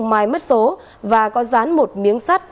mãi mất số và có dán một miếng sắt